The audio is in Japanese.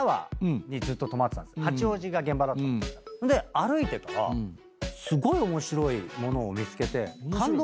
歩いてたらすごい面白いものを見つけて。